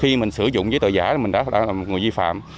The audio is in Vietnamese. khi mình sử dụng giấy tờ giả là mình đã là người vi phạm